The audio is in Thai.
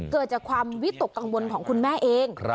เกิดจากความวิตกกังวลของคุณแม่เอง